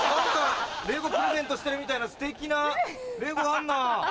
レゴプレゼントしてるみたいなステキなレゴあるな。